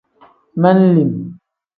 Men-lim.